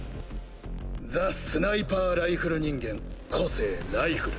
ザ・スナイパーライフル人間個性ライフル。